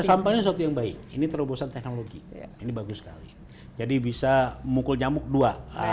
sampah ini suatu yang baik ini terobosan teknologi ini bagus sekali jadi bisa mukul nyamuk dua